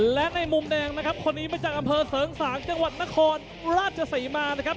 และในมุมแดงนะครับคนนี้มาจากอำเภอเสริงสางจังหวัดนครราชศรีมานะครับ